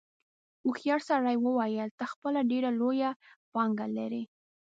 هوښیار سړي وویل ته خپله ډېره لویه پانګه لرې.